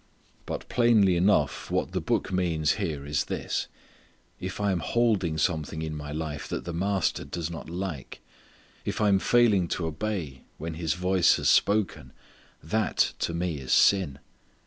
But plainly enough what the Book means here is this: if I am holding something in my life that the Master does not like, if I am failing to obey when His voice has spoken, that to me is sin.